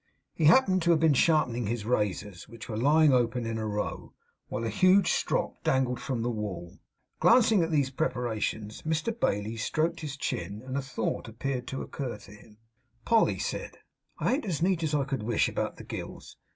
He happened to have been sharpening his razors, which were lying open in a row, while a huge strop dangled from the wall. Glancing at these preparations, Mr Bailey stroked his chin, and a thought appeared to occur to him. 'Poll,' he said, 'I ain't as neat as I could wish about the gills.